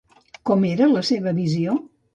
Com era la seva visió?